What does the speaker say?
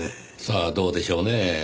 さあどうでしょうねぇ。